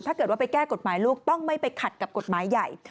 ถ้าเกิดว่าไปแก้กฎหมายลูกต้องไม่ไปขัดกับกฎหมายใหญ่